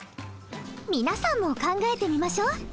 皆さんも考えてみましょ。